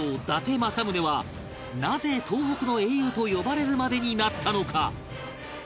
伊達政宗はなぜ「東北の英雄」と呼ばれるまでになったのか？